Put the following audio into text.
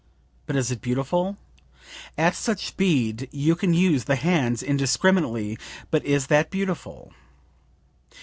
But is it beautiful? At such speed you can use the hands indiscriminately; but is that beautiful?"